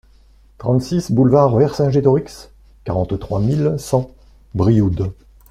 trente-six boulevard Vercingétorix, quarante-trois mille cent Brioude